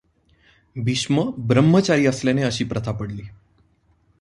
भीष्म ब्रह्मचारी असल्याने अशी प्रथा पडली.